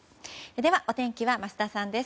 では、お天気は桝田さんです。